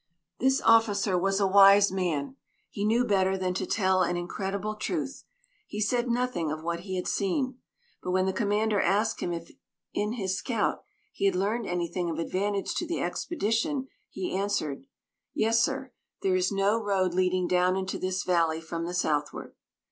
This officer was a wise man; he knew better than to tell an incredible truth. He said nothing of what he had seen. But when the commander asked him if in his scout he had learned anything of advantage to the expedition, he answered: "Yes, sir; there is no road leading down into this valley from the southward."